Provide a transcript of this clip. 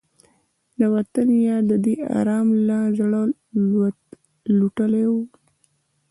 د وطن یاد دې ارام له زړه لوټلی